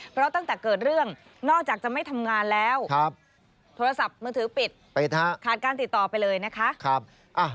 เพราะตั้งแต่เกิดเรื่องนอกจากจะไม่ทำงานแล้วโทรศัพท์มือถือปิดขาดการติดต่อไปเลยนะคะ